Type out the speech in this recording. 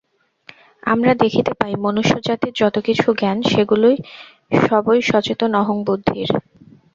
আমরা দেখিতে পাই, মনুষ্যজাতির যত কিছু জ্ঞান, সেগুলি সবই সচেতন অহংবুদ্ধির।